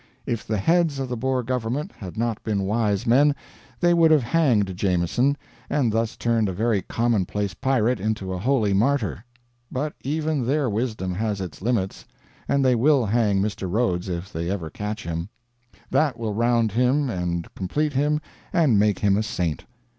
If the heads of the Boer government had not been wise men they would have hanged Jameson, and thus turned a very commonplace pirate into a holy martyr. But even their wisdom has its limits, and they will hang Mr. Rhodes if they ever catch him. That will round him and complete him and make him a saint.